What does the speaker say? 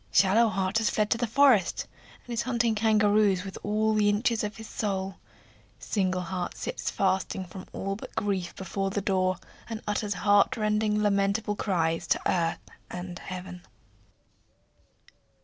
Shallow heart has fled to the forest, and is hunting kangaroos with all the inches of his soul. Single heart sits fasting from all but grief before the door, and utters heartrending, lamentable cries to earth and heaven.